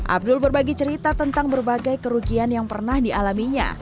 abdul berbagi cerita tentang berbagai kerugian yang pernah dialaminya